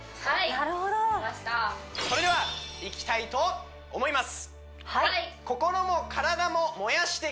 なるほどそれではいきたいと思います